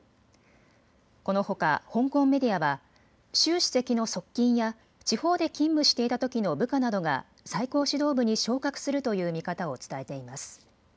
このほか香港メディアは習主席の側近や地方で勤務していたときの部下などが最高指導部に昇格するという見方を伝えています。